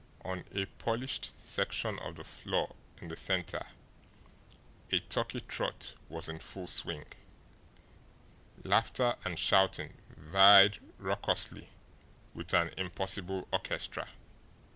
On a polished section of the floor in the centre, a turkey trot was in full swing; laughter and shouting vied raucously with an impossible orchestra.